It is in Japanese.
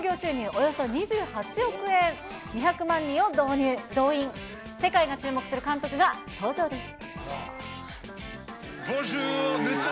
およそ２８億円、２００万人を動員、世界が注目する監督が登場です。